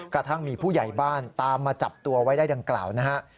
กระทั่งมีผู้ใหญ่บ้านตามมาจับตัวไว้ได้ดังกล่าวนะฮะ